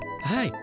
はい！